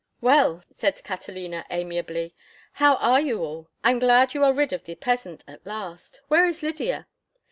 "Well," said Catalina, amiably, "how are you all? I am glad you are rid of the peasant at last. Where is Lydia?"